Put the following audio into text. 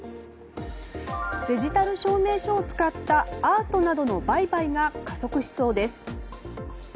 デジタル証明書を使ったアートなどの売買が加速しそうです。